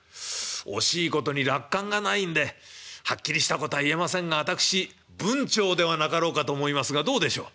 惜しいことに落款がないんではっきりしたことは言えませんが私文晁ではなかろうかと思いますがどうでしょう？